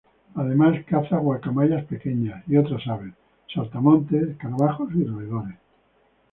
Además, caza guacamayas pequeñas y otras aves, saltamontes, escarabajos y roedores.